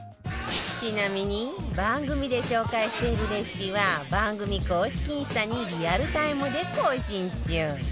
ちなみに番組で紹介しているレシピは番組公式インスタにリアルタイムで更新中